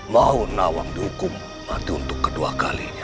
mau nawang dihukum mati untuk kedua kalinya